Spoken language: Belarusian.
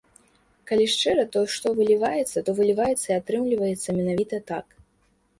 Калі шчыра, то, што выліваецца, то выліваецца і атрымліваецца менавіта так.